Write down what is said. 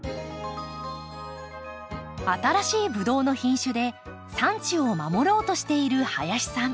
新しいブドウの品種で産地を守ろうとしている林さん。